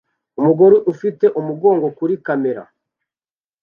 Umugore ufite umugongo kuri kamera